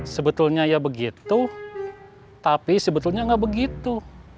sebetulnya ya begitu tapi sebetulnya nggak begitu